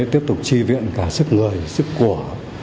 tiếp tục tri viện cả sức người sức của